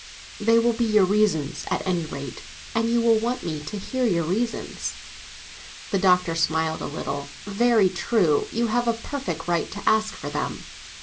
"They will be your reasons, at any rate, and you will want me to hear your reasons." The Doctor smiled a little. "Very true. You have a perfect right to ask for them."